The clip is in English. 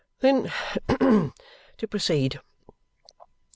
Then, to proceed.